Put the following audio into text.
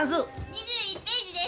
２１ページです。